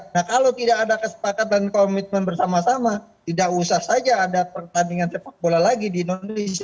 nah kalau tidak ada kesepakatan komitmen bersama sama tidak usah saja ada pertandingan sepak bola lagi di indonesia